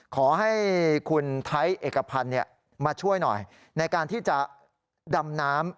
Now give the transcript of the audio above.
ขอให้คุณไทยเอกพันธ์มาช่วยหน่อยในการที่จะดำน้ำ